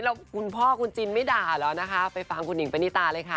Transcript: เราคุณพ่อคุณจินไม่ด่าแล้วนะคะไปฟังคุณนิ่งแบบนี้ตาเลยค่ะ